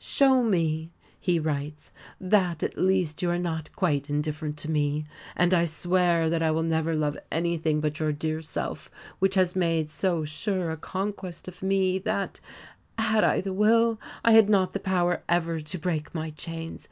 "Show me," he writes, "that, at least, you are not quite indifferent to me, and I swear that I will never love anything but your dear self, which has made so sure a conquest of me that, had I the will, I had not the power ever to break my chains.